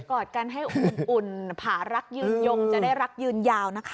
กอดกันให้อุ่นผารักยืนยงจะได้รักยืนยาวนะคะ